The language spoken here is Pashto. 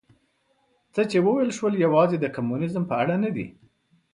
څه چې وویل شول یوازې د کمونیزم په اړه نه دي.